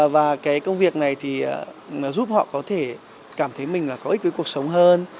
và cái công việc này thì giúp họ có thể cảm thấy mình là có ích với cuộc sống hơn